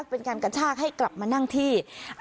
เป็นการกระชากให้กลับมานั่งที่